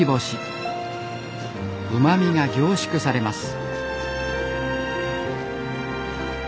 うまみが凝縮されます。